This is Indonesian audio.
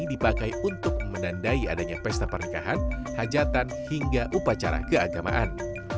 dipakai untuk menandai adanya pesta pernikahan hajatan hingga upacara keagamaan